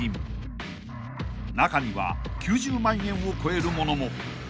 ［中には９０万円を超える物も］